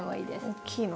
大きいの。